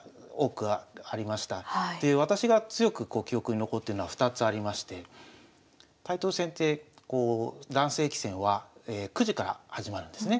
で私が強く記憶に残ってるのは２つありましてタイトル戦って男性棋戦は９時から始まるんですね。